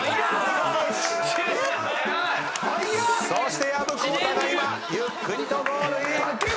そして薮宏太が今ゆっくりとゴールイン。